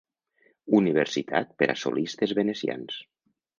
Universitat per a Solistes Venecians.